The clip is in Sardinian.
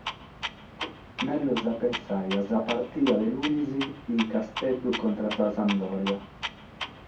Mègius a pensare a sa partida de lunis in Casteddu contra a sa Sampdoria.